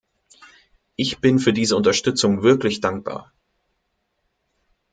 Ich bin für diese Unterstützung wirklich dankbar.